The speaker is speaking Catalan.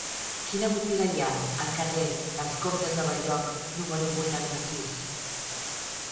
Quina botiga hi ha al carrer dels Comtes de Bell-lloc número vuitanta-sis?